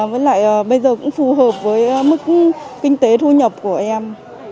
với lại bây giờ cũng phù hợp với mức kinh tế thu nhập của em